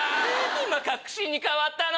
今確信に変わったの！